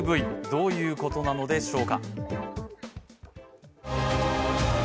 どういうことなのでしょうか。